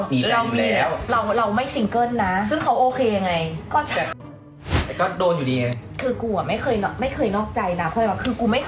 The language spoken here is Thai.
เขาอาจจะคุยเรื่องอื่นก็ได้